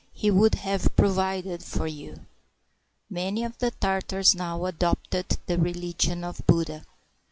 He would have provided for you." Many of the Tartars now adopted the religion of Buddha.